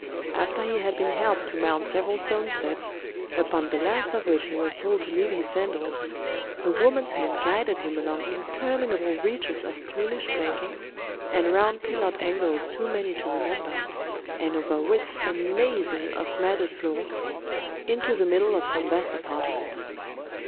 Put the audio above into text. After he had been helped to mount several stone steps, upon the last of which he was told to leave his sandals, a woman's hand guided him along interminable reaches of polished planking, and round pillared angles too many to remember, and over widths amazing of matted floor,—into the middle of some vast apartment.